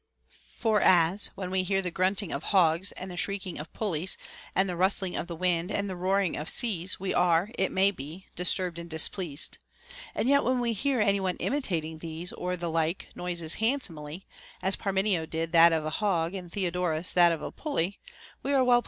For as, when we hear the grunting of hogs and the shrieking of pulleys and the rustling of wind and the roaring of seas, we are, it may be, disturbed and displeased, and yet when we hear any one imitating these or the like noises handsomely (as Parmenio did that of an hog, and Theodoras that of a pulley), we are well TO HEAR POEMS.